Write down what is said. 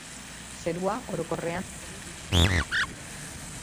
Zerua orokorrean hodei gutxirekin azalduko da.